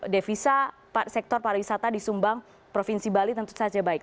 devisa sektor pariwisata disumbang provinsi bali tentu saja baik